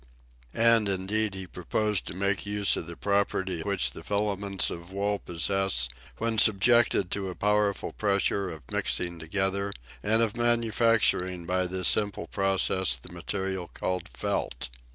And indeed he proposed to make use of the property which the filaments of wool possess when subjected to a powerful pressure of mixing together, and of manufacturing by this simple process the material called felt.